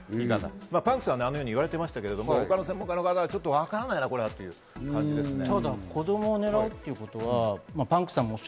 パンクさんあのように言われましたけれども、他の専門家の方はこれは、わからないなという感じですね。